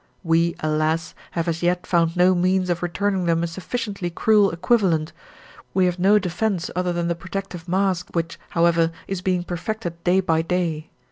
We, alas! have as yet found no means of returning them a sufficiently cruel equivalent; we have no defence other than the protective mask, which, however, is being perfected day by day.